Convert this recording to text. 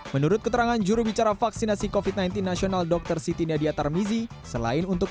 menurut keterangan jurubicara vaksinasi covid sembilan belas nasional dr siti nadia tarmizi selain untuk